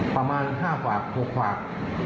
ประมาณ๕๖ฝาก